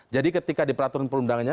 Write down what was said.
jadi ketika di peraturan perundangannya